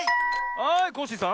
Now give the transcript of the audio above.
はいコッシーさん。